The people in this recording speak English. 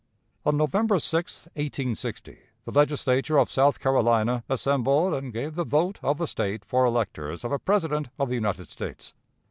On November 6, 1860, the Legislature of South Carolina assembled and gave the vote of the State for electors of a President of the United States.